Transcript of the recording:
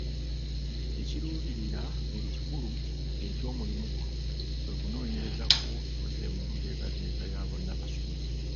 Ekiruubirira ekikulu eky'omulimu guno kwe kunoonyereza ku bivudde mu nteekateeka ya bonna basome.